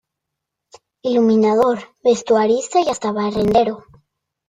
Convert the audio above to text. Iluminador, vestuarista, y hasta barrendero.